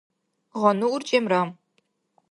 гъану урчӀемра